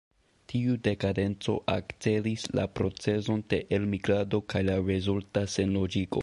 Tiu dekadenco akcelis la procezon de elmigrado kaj la rezulta senloĝigo.